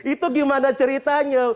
itu gimana ceritanya